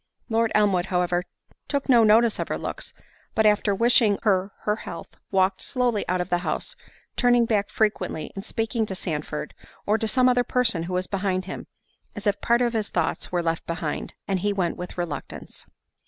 Lord Elmwood, however, took no notice of her looks, but after wishing her her health, walked slowly out of the house; turning back frequently and speaking to Sandford, or to some other person who was behind him, as if part of his thoughts were left behind, and he went with reluctance.